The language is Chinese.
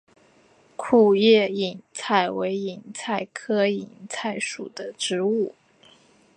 库页堇菜为堇菜科堇菜属的植物。